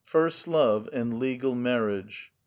FIRST LOVE, AND LEGAL MARRLA.GE. I.